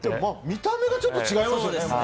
見た目がちょっと違いますよね。